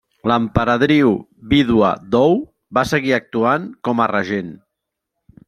L'Emperadriu vídua Dou va seguir actuant com a regent.